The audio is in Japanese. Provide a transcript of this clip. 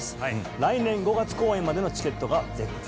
来年５月公演までのチケットが絶賛